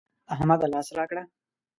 احمده! لاس راکړه.